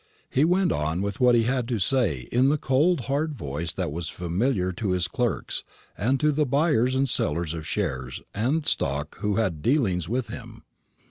He went on with what he had to say in the cold hard voice that was familiar to his clerks and to the buyers and sellers of shares and stock who had dealings with him.